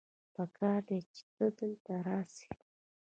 پکار دی چې ته دلته راسې